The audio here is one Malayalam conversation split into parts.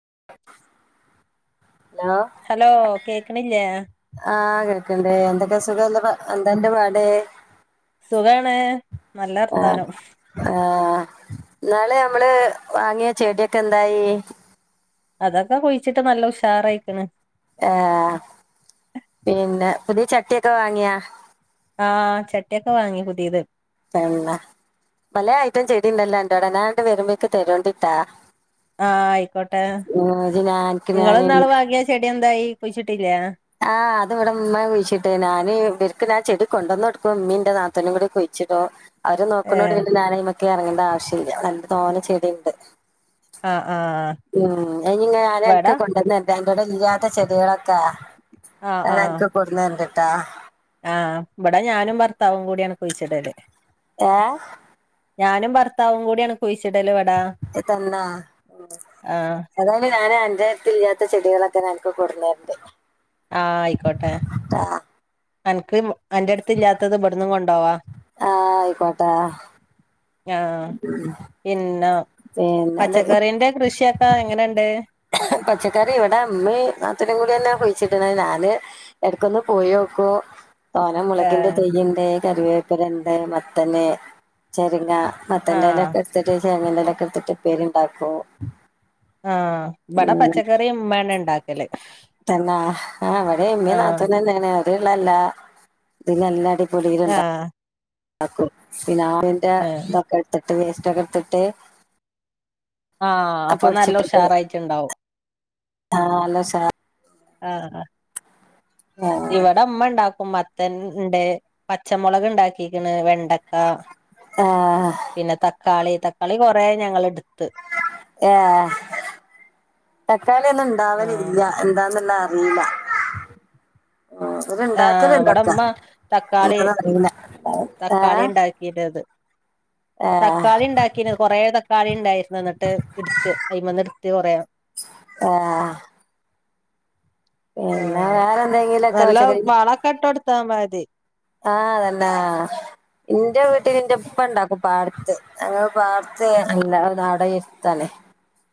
[inaudible] ഹലോ ഹലോ കേക്കണില്ലേ ആഹ് കേൾക്ക് ണ്ട് എന്തൊക്കെ സു [unintelligible] എന്താന്റെ പാട്? സുഖാണ് നല്ലർത്താനം. ന്നാള് നമ്മള് വാങ്ങിയ ചെടിയൊക്കെ എന്തായി? അതൊക്കെ കുഴിച്ചിട്ട് നല്ല ഉഷാറായിക്ക്ണ്. ആ പിന്നെ പുതിയ ചട്ടിയൊക്കെ വാങ്ങിയാ? ആ ചട്ടിയൊക്കെ വാങ്ങി പുതിയത്. തെ െന്ന പലേ ഐറ്റം ചെടിണ്ടല്ലോ അന്റോടെ ഞാനങ്ങട് വരുമ്പോ ത രോണ്ടിട്ടാ? ആഹ ആയിക്കോട്ടെ ഞാൻക്ക് ഞാന് ഇങ്ങള്ന്നാള് വാങ്ങിയ ചെടി എന്തായി കുഴിച്ചി ആ അത് ഇവിടെ ഇമ്മാ കുഴിച്ചിട്ടേ ഞാന് ഇവർക്ക് ഞാൻ ചെടി കൊണ്ടന്നൊടുക്കും ഉമ്മീന്റെ നാത്തൂനും കൂടി കുഴിച്ചിടും. അവര് നോക്ണോണ്ട് ഏഹ് പിന്നെ ഞാൻ അയി ഒക്കെ ഇറങ്ങേണ്ട ആവശ്യ ഇല്ല നല്ല തോനെ ചെടിണ്ട്. ആഹ് ആഹ് ഉ അയിനിഞ്ഞ് ഇവടെ ഞാനനക്ക് കൊണ്ടന്നെര്ണ്ട് അ ഇവിടെ ഇല്ലാത്ത ചെടികളൊക്കെ ആഹ് ഞാനനക്ക് കൊടുന്നെരണ്ടിട്ടോ? ആ ഇവിടെ ഞാനും ഭർത്താവും കൂടിയാണ് കുഴിച്ചിട്ല്. ഏ ഞാനും ഭർത്താവും കൂടിയാണ് കുഴി ഇതന്നാ ആഹ് ഏതായാലും ഞാ ഇന്റെ ട്ത്തില്ലാത്ത ചെടികളൊക്കെ ഞാൻ അനക്ക് കൊടുന്നെരണ്ട്. ആ ആയിക്കോട്ടെ അനക്ക് അന്റട്ത്ത് ഇല്ലാത്തത് ഇവിടന്നും കൊണ്ടോവാ. ആ ആയിക്കോട്ടെ ആ പിന്നെ പിന്നെന്ത് പച്ചക്കറീന്റെ കൃഷി കൃഷി ഒക്കെങ്ങനെണ്ട്? പച്ചക്കറി ഇവിടെ ഇമ്മിം നാത്തൂനും കൂടിയെന്നെ കുയിച്ചിട്ണത്. ഞാന് എടക്കൊന്ന് പോയോക്കും. തോനെ മുളകിന്റെ ഏഹ് തയ്യുണ്ട് കറിവേപ്പിലണ്ട്. മത്തന്, ചെരങ്ങ ആഹ് മത്തന്റെലൊക്കെ എടുത്തിട്ട് ചെരങ്ങന്റെലെക്കെടാത്തിട്ട് ഉപ്പേരിണ്ടാക്കും. ആഹ് ഇബടെ പച്ചക്കറി ഇമ്മേണ് ഉണ്ടാക്കല്. തന്നാ ആ ഇവിടെ ഇമ്മീ ആഹ് നാത്തൂനെന്നാണ് ആഹ് [unintelligible] [unintelligible] പിന്നെ ആവിന്റെ ഏഹ് ഇതൊക്ക വേസ്റ്റൊക്കെടുത്തിട്ട് ആഹ അപ്പൊ നല്ല ഉഷാറായിട്ണ്ടാവും ആ നല്ലഉഷാറാ ആഹ ഇവിടെ ഇമ്മ ഉണ്ടാക്കും മത്തൻണ്ട് പച്ചമുളക് ണ്ടാക്കിക്ക്ണ് വെ [unintelligible] ആ പിന്നെ തക്കാളി തക്കാളി കുറേ ഞങ്ങൾ എടു ഏ തക്കാളി ഒന്നും ആഹ് ഇണ്ടാവലില്ല. എന്താന്നുള്ള ഇല്ല ഇവര് ആഹ് ഇവിടെ ഉണ്ടാക്കല്ണ്ടൊക്കെ ഉമ്മ തക്കാളി തക്കാളി [unintelligible] ആ തക്കാളിണ്ടാക്കിനി കൊറെേ തക്കാളിണ്ടായിരുന്നു ന്നിട്ട് ഇടുത്ത് അതിമന്ന് ഇടുത്ത് കൊറേ. ആ ആ എന്തെങ്കിലുമൊക്കെ നല്ല വളക്കെട്ടൊട്ത്താ മതി. ആ അതന്നെ ആ. ഇന്റെ വീട്ടിൽ ഇന്റെപ്പ ണ്ടാക്കും പാടത്ത് അങ്ങള് പാടത്ത് [unintelligible] [inaudible]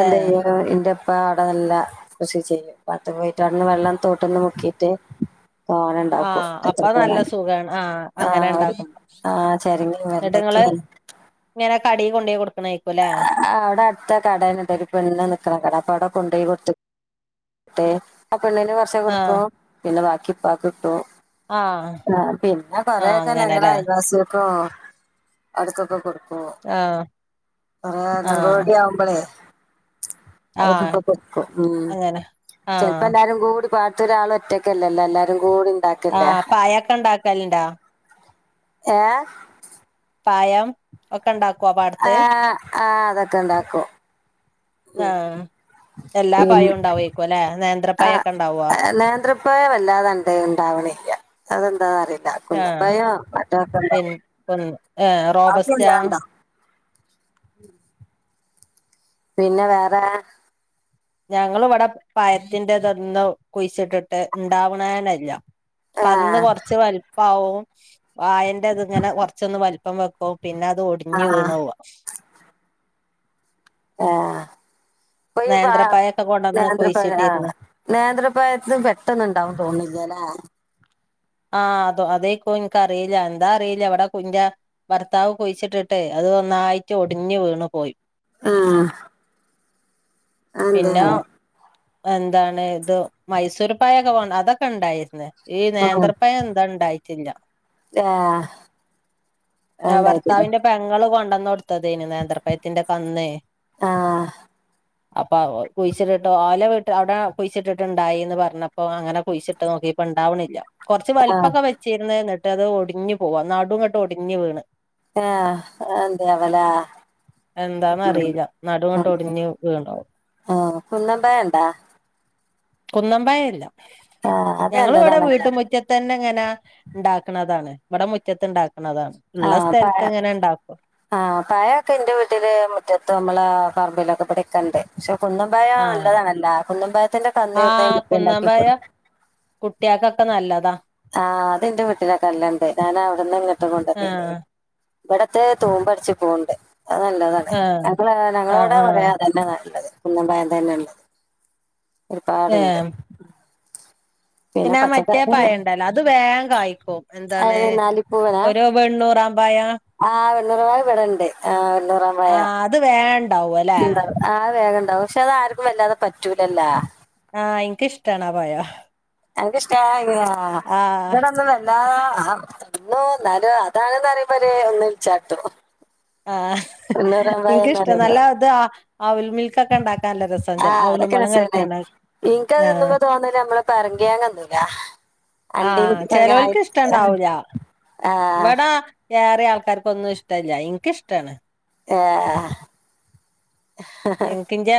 ഏഹ് ഇന്റെ പ്പ അവടെ നല്ല കൃഷി ചെയ്യും [unintelligible] വെള്ളം തോട്ട്ന്ന് മുക്കിട്ട് തോനണ്ടാക്കും ആഹ് എത്ര അപ്പൊ നല്ല പോരാന്ന്. സുഖാണ് ആഹ് ആ അങ്ങനെ ഒര് ഉണ്ടാക്കും ആ ചെരങ്ങി വെണ്ടയ് ഉം. ങ്ങനെ കടി കൊണ്ടേയ് കൊട് ആ അവടെ അടുത്ത കടേന്ണ്ട്. ഒര് പെണ്ണ് നിക്കണ കട. അപ്പ അവ്ടെ കൊണ്ടോയി കൊടുത്തിട്ട് ആ പെണ്ണിന് കൊറച്ചേ ആഹ് കൊടുക്കും പിന്നെ ബാക്കി ക്ക്പ്പാക്ക് കിട്ടും ആഹ് പിന്നെ ആഹ് കൊറെയൊക്കെ ഞങ്ങടെ അങ്ങനെല്ലേ അയൽവാസ്യോള് ആ അടുക്കൊക്കേ കൊടുക്കു ആ ആ ന്ന ക് വടി ആവുമ്പളെ. ആഹ് [unintelligible] കൊട്ക്കും. അങ്ങനെ ആഹ് ചെലപ്പോ എല്ലാരും കൂടി പാട ത്ത് ഒരാള് ഒറ്റക്കല്ലല്ലോ എല്ലാരും കു ആ പയക്കെ ഉണ്ടാക്കല്ണ്ടാ. ഏ. പയം ഒക്കെ ഉണ്ടാക് ആ ആ അതൊക്കെ ഇണ്ടാക്കും. ആ പിൻ ആ നേന്ത്രപ്പഴൊക്കെ ഉണ്ടാവോ നേന്ത്രപയ വല്ലാതാണ്ട് ഇണ്ടാവാ ണില്ല. അതെന്താ അറിയില്ല. കുന്ന ആഹ് പയോ മറ്റേതൊക്കെ ഇണ്ടാകും. ഏ റോബസ്റ്റാ. ഉം. പിന്നെ വേറേ ഞങ്ങള ഇവടെ പയത്തിന്റെതൊന്നും കുയിച്ചിട്ടിട്ട് ഉണ്ടാവ്ണേനല്യാ. ആ കന്ന് കൊറച്ച് വൽപ്പാവും. വായന്റെ ഇത് ഇങ്ങനെ കൊറച്ചൊന്ന് വൽപ്പം വെക്കും. പിന്നെ അത് ആ ഒടിഞ്ഞ് വീണുപൂവാ. ആ നേന്ത്ര പയക്കെ നേന്ത്രപയ ആ നേന്ത്രപയത് പെട്ടന്ണ്ടാവും തോന്ണില്യാലേ. ആ അതോ അതേയ്ക്കും എനിക്കറീല. എന്താറീല ഇവടെ കുഞ്ഞ ഭർത്താവ് കുയിച്ചിട്ട്ട്ടേ അത് ഒന്നായിട്ട് ഒടിഞ്ഞ് വീണ് പോയി. ആ അന്തേ പിന്നെ ആവോ. എന്താണ് ഇത് മൈസൂർ പയൊക്കെ പോ അതൊക്കെ ഇണ്ടായിര്ന്ന്. ഈ ആഹ് നേന്ത്രപ്പയം എന്താ ഇണ്ടായിട്ടില്ല. ആഹ് ആ അത്ണ്ടായിട്ടില്ല ഭർത്താവിന്റെ പെങ്ങൾ കൊൺ കൊടൊന്നൊടുത്തതേയ്ന്നു നേത്രപ്പയത്തിന്റെ കന്നേ. ആഹ് അപ്പ ഓ കുയിച്ചിട്ട്ട്ട് ഓ ന്റെ വീട്ട് അവടെ കുഴിച്ചിട്ടിട്ടണ്ടായിന്ന് പറഞ്ഞപ്പോ അങ്ങനെ കുഴിച്ചിട്ട് നോക്കീപ്പോ ഇണ്ടാവ്ണില്ലാ. കൊറച്ച് ആഹ് വൽപ്പോക്കെ വെച്ചിര്ന്ന്. എന്നിട്ട് അത് ഒടിഞ്ഞു പോവാ നടുങ്ങട്ട് ഒടിഞ്ഞ് വീണ്. ആ അതെന്ത്യേവലേ? എന്താന്നറിയില്ല. നടുങ്ങട്ട് ഒടിഞ്ഞ് വീണോവും. കുന്നമ്പയണ്ടാ. കുന്നമ്പയല്ല. ആഹ് അത് ഞങ്ങള് ഇവടെ നല്ലതാണല്ലോ വീട്ട് മുറ്റത്തന്നെ. ങ്ങനെ ണ്ടാക്കണതാണ് ഇവടെ മുറ്റത്ത്ണ്ടാക്ക ആ പയം. ആഹ പയൊക്കെ ന്റെ വീട്ടില് മുറ്റത്ത് നമ്മളാ [inaudible] ശൊ കുന്നംമ്പായാ ആഹ് നല്ലതാണല്ല കുന്നമ്പാത്തിന്റെ കന്നി ആഹ് ഇട്ന്നെങ്കിലും ഇണ്ടാക്കിക്കൊട് ക്ക് നല്ലതാ ആഹ് അത്െന്റെ വീട്ടിലൊക്കെല്ലണ്ട് ഞാൻ അവിടന്ന് ഇങ്ങട്ട് ആഹ് കൊണ്ടന്നിനിം ഇവിടത്തെ തൂമ്പ് അടിച്ച് പോണ്ട് അത് നല്ലതാണ് ആഹ് ഞങ്ങൾതാലും ആഹ് ഞങ്ങളോടെ കൊറേ ആഹ് അത് എന്നെ നല്ലത് കുന്നപയം തന്നെ ഉണ്ട് ഒരുപാട്ണ്ട് ഏഹ് പിന്നെ മറ്റേ പഴ ഇണ്ടാലോ അത് വേഗം കഴിക്കും എന്താണ് അതായത് നാലിപ്പൂവന ഒരു വെണ്ണൂറ ബായാ ആ വെണ്ണൂറാംപഴം ഇവിടണ്ട് ആ വെണ്ണൂറാമ്പഴം ആഹ് അത് വേഗം ഇണ്ടാവും അല്ലേ ആ വേഗൻ ൻന്തവും പക്ഷെ അത് ആർക്കും വല്ലാതെ പറ്റൂലല്ലാ ആഎനക്ക് ഇഷ്ടണാ പയം അന്ക്ക് ഇഷ്ടയാ ആഹ് ഇവിടൊന്നും വല്ലതാ തിന്നൂംഎന്നാലും അതാണെന്ന് അറിയുമ്പൊഒര് ഒന്ന് ഇളിച്ചു കാട്ടും ആഹ് ഇനിക്ക് ഇഷ്ടം പറയുമ്പോ നല്ല അത് ആ ആവിൽ മിൽക്കൊക്കെ ഇണ്ടാക്കാൻ നല്ല രസ ചൽ ആഹ് അവലും അതൊക്കെ വളളം രസാണ് കലക്കാ [unintelligible] ഗങ്ങന്തുല്ല ആ ചെലോൽക്ക് ഇഷ്ടംണ്ടാവൂല്ല ആഹ് ഇവിടാ ഏറെ ആൾ ക്കാർക്കൊന്നും ഇഷ്ടമല്ല എനിക്ക് ഇഷ്ടാണ് [unintelligible] ഇനിക്ക് കിചെ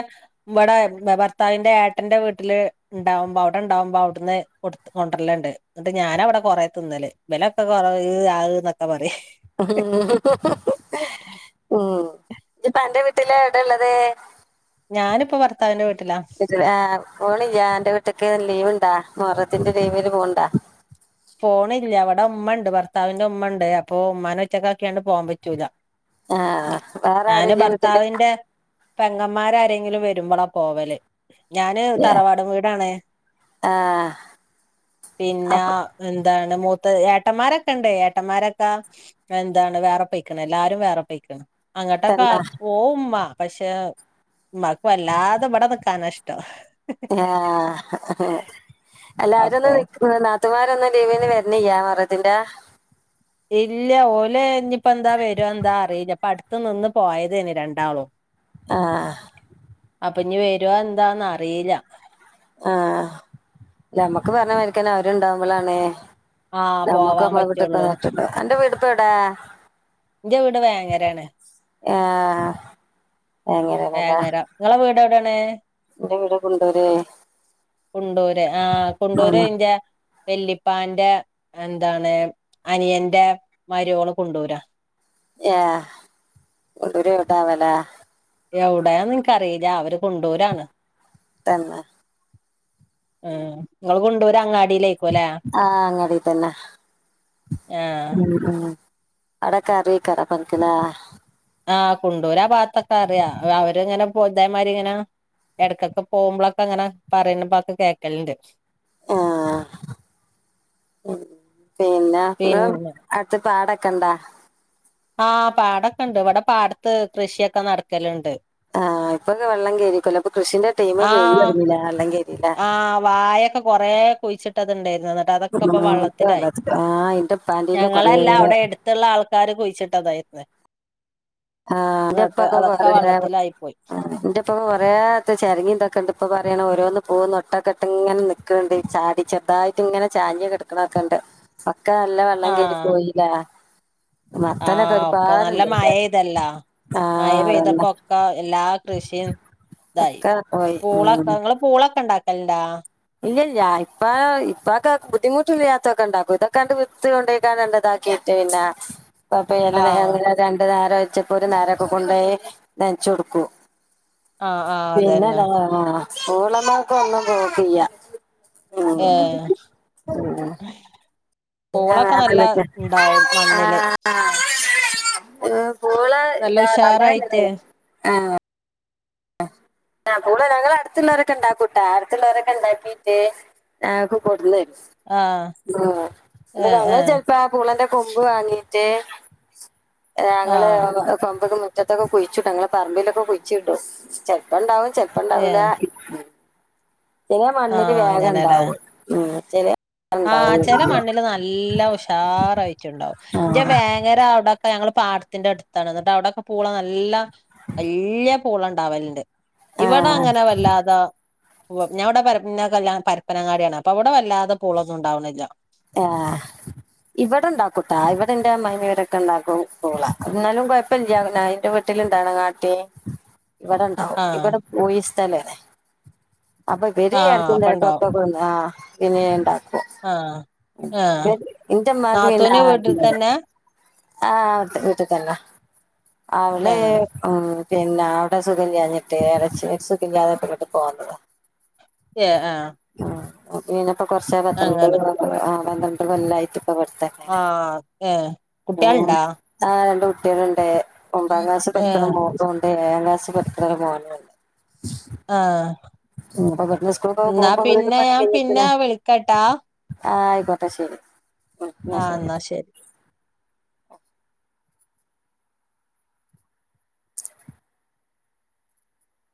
ഇവിടെ ഭ ഭർത്താവിന്റെ ഏട്ടന്റെ വീട്ടില് ഇണ്ടാവുമ്പോ അവിടെ ഇണ്ടാവുമ്പോ അവിടെന്ന് കൊടുത്ത് കൊണ്ടുവരലണ്ട് ണ്ട് എന്നിട്ട് ഞാനവിടെ കൊറേ ന്നല് വിലൊക്കെ കൊറേ ഈഹ് അഹ് ന്നൊക്കെ പറയ് [unintelligible] ഇച്ച് അന്റെ വീട്ടിലാ എവിടെ ഇള്ളത് ഞാനിപ്പ ഭർത്താവിന്റെ വീ ഇച്ച്ഹാ ഓനില്ലേ അന്റെ വീട്ടി ഇറ്റക്കെ ലീവ്ണ്ടാ മോറത്തിന്റെ ലീവില് പോവ്ണ്ടാ പോണില്ല ഇവിടെ ഉമ്മണ്ട് ഭർത്താവിന്റെ ഉമ്മണ്ട് അപ്പൊ ഉമ്മനെ ഒറ്റക്ക് ആക്കിയാണ്ട് പോവാൻ പറ്റൂല ആ വേറെ ആരോഗോഗ്യംമട്ടില്ല ആരുല്ലേ വീട്ടിൽ പെങ്ങന്മാരരെങ്കിലും വരുമ്പളാ പോവല് ഞാന് തറവാട് വീടാണ് ആഹ് പിന്നാ അപ്പൊ എന്താണ് മൂത്ത ഏട്ടന്മാരൊക്കെ ഇണ്ട് ഏട്ടന്മാരൊക്കെ എന്താണ് വേറെ പെയിക്ക്ണ് എല്ലാവാരും വേറെ പൊ യിക്ക്ണ് അങ്ങട്ടൊക്ക തന്നെ പോവുംഉമ്മ പക്ഷെ ഇമ്മക്ക് വല്ലാതെ ഇവിടെ നിക്കാനാ ഇഷ്ടം ആഹഹ്ഹ് എല്ലാരും ഒന്ന് അപ്പൊ വിളിക്ക് ത്തുമാരൊന്നും ലീവിന് വരുന്നില്ല മുഹറത്തിന്റ ഇല്ല ഓല് ഇനിയിപ്പോ എന്താ വരോ എന്താ അറിയില്ല പ്പട്ത് നിന്ന് പോയതേനും രണ്ടാളും ആ അപ്പൊനി വരോ എന്താന്ന അറിയില്ല ആഹാ നമ്മക്ക് പറഞ്ഞ മരിക്ക്തെനെ അവര്ണ്ടാവ്മ്പളാണ് ആഹ് നമ്മുക്ക് പോവാൻ നമ്മളെ പറ്റുള്ളൂ വീട്ടൊക്കെന്നിട്ട് അന്റെ വീടിപ്പ എവിടാ ഇന്റെ വീട് വേങ്ങരോണ് ഏഹാ വേങ്ങര നിങ്ങളെ വീട് എവിടെണ് ഇന്റെ വീട് കൊണ്ടൂര് കുണ്ടൂര് ആ കുണ്ടൂര് ഇന്റെ വെല്ലിപ്പാന്റെ എന്താണ് അനിയൻ്റെ മരിയോൾ കൊണ്ടുരാ ഏ കെണ്ടൂര് എവിട്ടാവല എവിടെയാ നിക്ക്റിയില്ല അവര് കുണ്ടൂരാണ്. തന്നെ ആ ങ്ങൾ കുണ്ടൂര് അങ്ങാ- ആ അങ്ങാടി തന്നെ. ആഹ് അടക്കാറീക്കാരപ്പന്ക്കിനാ ആഹ കുണ്ടൂരാ ഭാഗത്തൊക്കെ അറിയാ, അവരിങ്ങനെ പോ ഇതേമാരി ഇങ്ങനെ എടക്കൊക്കെ പോകുമ്പോളൊക്കെങ്ങനെ കേൾക്കല്ണ്ട്. [inaudible] ഉം പിന്നെ ഇൻങളെ പിന്നെ അടുത്ത് പാടൊക്കണ്ടാ? ആഹ് പാടൊക്കെണ്ട്. ഇവിടെ പാടത്ത് കൃഷിയൊക്കെ നടക്കല്ണ്ട്. ആഹ് ഇപ്പൊക്കെ വെള്ളം കേറീക്കല്ലോ അപ്പ കൃഷിന്റെ ടൈം കൈഞ്ഞൊട്ങിലെ വെള്ളം കേ ആ വായൊക്കെ കൊറേ കുയ്ച്ചിട്ടത്ണ്ടായിരുന്നു. ന്നിട്ട് അതൊക്കെ ഇപ്പ വള്ളത്തിലായി. ആഹ് ഇന്റെപ്പാന്റെല് കൊറേ ഞങ്ങളല്ല അവിടെ എടുത്തുള്ള ആൾക്കാര് കുഴിച്ചി തായിരുന്ന്. ആ ന്റെപ്പൊക്കെ കൊറേ വെള്ളത്തിലായി പോയി ആ ന്റെപ്പൊക്കെ കൊറേ ചരങ്ങിന്തൊക്കെണ്ട് ഇപ്പൊ പറയണം ഓരോന്ന് പൂവ് നോട്ടേക്കെട്ട് ഇങ്ങനെ നൽക്ക്ണ് ണ്ട് ചാടി ചെറുതായിട്ട് ഇങ്ങനെ ചാഞ്ഞ് കിടക്കണൊക്കെണ്ട്. [inaudible] ക്ക നല്ല വെള്ളം കേറി പോയീലേ. ആ ഒക്കെ നല്ല മഴെയ്തല്ലാ. മഴ ആഹ് അതന്നെ പെയ്തപ്പൊക്കെ എല്ലാ കൃഷിയും തായി ഒക്കെ പോയി പൂളൊക്കെ ങ്ങള് പൂളൊക്കെ ഉണ്ടാക്കല്ണ്ടാ? ഇല്ലല്ല ഇപ്പ ഇപ്പൊക്കെ ബുദ്ധിമുട്ടില്ലാതതൊക്കെ ഉണ്ടാക്കും. ഇതൊക്കെ കണ്ട് വിത്ത് കൊണ്ടാ [unintelligible] ഇപ്പപ്പൊ ചില ആഹ് നേരങ്ങ രണ്ടു നേരം വെച്ചപ്പോ ഒരു നേരമൊക്കെ കൊണ്ടോയി നനച്ച് കൊടുക്കൂ. ആഹ് ആഹ് പിന്നെ അതന്നെ ല്ല ആ [unintelligible] ആ ഉം ഏഹ് ഉം പിന്നെ പൂളൊക്കെ നല്ല വേറെന്തൊക്കെ? ആ ഇണ്ടാവും മണ്ണില് ആ ആ പൂളാ നല്ല ഉഷാറായിട്ട് [unintelligible] ആ [inaudible] ആ പൂള ഞങ്ങൾ അടുത്തുള്ളവരൊക്കെ ഉണ്ടാക്കൂട്ടാ അടുത്തുള്ളവരൊക്കെ ഉണ്ടാക്കീട്ട്, ഞങ്ങൾക്ക് കൊട്ന്നെരും. ആഹ് ആ ഏഹ് ഞങ്ങള് ഏഹ് ചെലപ്പ ആ പൂളന്റെ കൊമ്പ് വാങ്ങിയിട്ട് ഏ ഞങ്ങള് ആഹ് കൊമ്പൊക്കെ മു മുറ്റത്തൊക്കെ കുഴിച്ചിടും. ഞങ്ങളെ പറമ്പിലൊക്കെ കുഴിച്ചിടും. ചെലപ്പണ്ടാവും, ചെലപ്പണ്ടാവൂല. ഏഹ് ചെലേ മണ്ണില് ആഹ് വേഗംണ്ടാവും ഉം ചെല ആ ഇണ്ടാവൂല്ല ചെല മണ്ണില് നല്ല ഉഷാറായിട്ടുണ്ടാവും ഇന്റെ ആഹ് വേങ്ങര അവിടെ ഞങ്ങള് പാടത്തിന്റെ അടുത്താണ്, എന്നിട്ട് അവിടെക്കെ പൂള നല്ല വലിയ പൂള ഉണ്ടാവലുണ്ട്. ഇവിടെ ആഹ് അങ്ങനെ വല്ലാതാ ഓ ഞാനിവിടെ ഞ കല്യ പരപ്പനങ്ങാടിയാണ് അപ്പൊ അവിടെ വല്ലാതെ പൂളൊന്നും ഉണ്ടാവ്ണ്ല്ല. ആഹ് ഇവിടെ ഉണ്ടാക്കൂട്ടാ ഇവിടെന്റെ അമ്മായിമ്മ ഇവരൊക്കെ ണ്ടാക്കും പൂള. ന്നാലും കുഴപ്പല്ല്യ അതിന്റെ നാട്ടില്ണ്ടാക്ണേ കാട്ടി [inaudible] ഇവിടെണ്ടാവും, ആഹ് ഇവിടെ പൂയി സ്ഥലാണ്. അപ്പ ഇബര് ആഹ് എടക്കും അപ്പ തലക്കൊ ക്കെ കൊട്ന്ന് ആ [unintelligible] ആ ഇന്റെ മ്മാക്ക് പിന്നെ ആ വീട്ടിൽ തന്നെ ആഹ് വീട്ട് തന്നെ അവള് ആഹ് ഉം പിന്നെ അവിടെ സുഖമില്ലാഞ്ഞിട്ട് എളേച്ചി സുഖമില്ലാതെ ഇങ്ങ്ട് പോന്നതാ. ഏ ആഹ പിന്നപ്പൊ കൊറച്ച് [unintelligible] ആ പന്ത്രണ്ട് കൊല്ലായിട്ട് ഇവിടെത്തന്നെയാണ് ആഹ് ഏ ഉം കുട്ടിയാള്ണ്ടാ? ആ രണ്ട് കുട്ടികളുണ്ട്. ഒമ്പതാം ക്ലാസ് പഠിക്കണ ഏഹ് മോളുണ്ട്, ഏഴാം ക്ലാസ്സിൽ പഠിക്കണ ഒരു മോനുണ്ട്. ആഹ് ഉം അപ്പൊ ഇവിടുന്ന് സ്കൂൾ ന്നാ പോകുമ്പോ വീട് പിന്നെ ഞാൻ പിന്നെ വിളി ക്കട്ടാ ആഹ ആയിക്കോട്ടെ ശരി ആഹ എന്നാ ശരി